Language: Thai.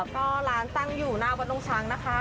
ก็ร้านตั้งอยู่หน้าวัดลงช้างนะคะ